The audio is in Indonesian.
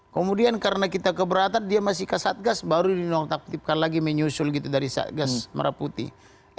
kemudian karena kita keberatan dia masih ke satgas baru dinonaktifkan lagi menyusul gitu dari satgas merah putih